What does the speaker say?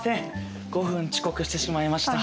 ５分遅刻してしまいました。